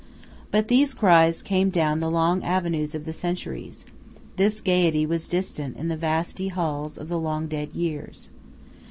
But these cries came down the long avenues of the centuries; this gaiety was distant in the vasty halls of the long dead years.